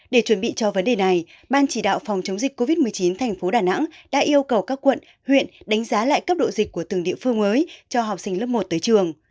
để chuẩn bị cho vấn đề này ban chỉ đạo phòng chống dịch covid một mươi chín thành phố đà nẵng đã yêu cầu các quận huyện đánh giá lại cấp độ dịch của từng địa phương mới cho học sinh lớp một tới trường